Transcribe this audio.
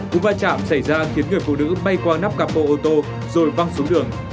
cú va chạm xảy ra khiến người phụ nữ bay qua nắp capo ô tô rồi văng xuống đường